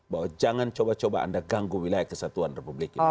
bahwa jangan coba coba anda ganggu wilayah kesatuan republik indonesia